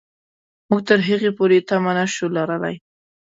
موږ تر هغې پورې تمه نه شو لرلای.